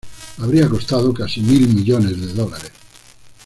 Habría costado casi mil millones de dólares.